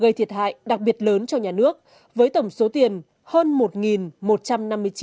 gây thiệt hại đặc biệt lớn cho nhà nước với tổng số tiền hơn một một trăm năm mươi triệu đồng